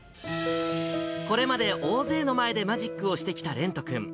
これまで大勢の前でマジックをしてきた蓮人君。